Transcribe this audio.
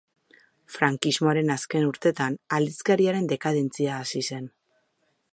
Frankismoaren azken urtetan aldizkariaren dekadentzia hasi zen.